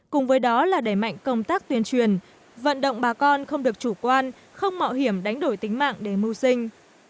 cùng với đó là đẩy mạnh công tác tuyên truyền vận động bà con không được chủ quan không mạo hiểm đánh đổi tính mạng để mưu sinh